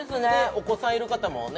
お子さんいる方もね